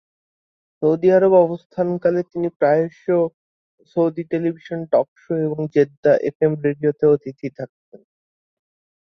Saudi আরব অবস্থানকালে তিনি প্রায়শই সৌদি টেলিভিশন টক শো এবং জেদ্দা এফএম রেডিওতে অতিথি থাকতেন।